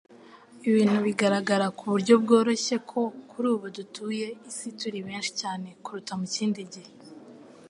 ibintu bigaragara ku buryo bworoshye ko kuri ubu dutuye isi turi benshi cyane kurusha mu kindi gihe